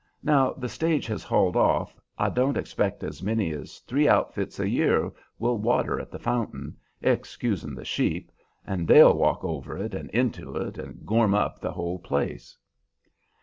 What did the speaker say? Now the stage has hauled off, I don't expect as many as three outfits a year will water at that fountain, excusin' the sheep, and they'll walk over it and into it, and gorm up the whole place."